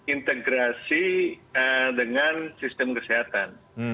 integrasi dengan sistem kesehatan